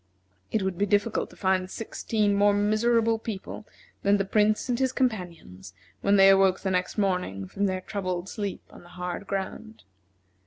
It would be difficult to find sixteen more miserable people than the Prince and his companions when they awoke the next morning from their troubled sleep on the hard ground.